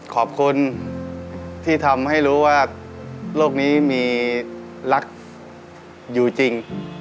ขอบคุณที่ทำให้รู้ว่าโลกนี้มีรักอยู่จริง